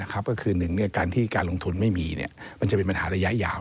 ก็คือหนึ่งการที่การลงทุนไม่มีมันจะเป็นปัญหาระยะยาว